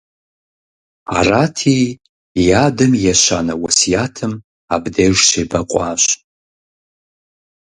Арати, и адэм и ещанэ уэсятым абдеж щебэкъуащ.